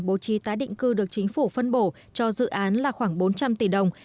bố trí tái định cư được chính phủ phân bổ cho dự án là khoảng bốn trăm linh tỷ đồng